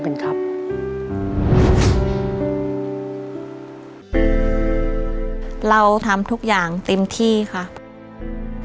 เราทำทุกอย่างติมที่ครับ